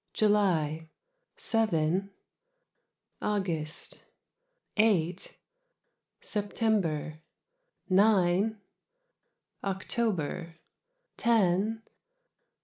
July "Seven." August "Eight." September "Nine." October "Ten."